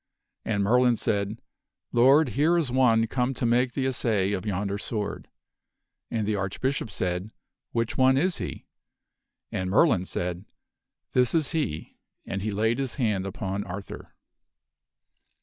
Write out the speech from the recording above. And Merlin said, " Lord, here is one come to make the assay of yonder sword." And the Archbishop said, " Which one is he ?" and Merlin said, " This is he," and he laid his hand upon Arthur.